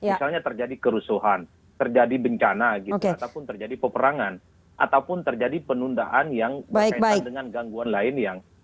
misalnya terjadi kerusuhan terjadi bencana gitu ataupun terjadi peperangan ataupun terjadi penundaan yang berkaitan dengan gangguan lain yang